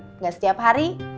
nggak setiap hari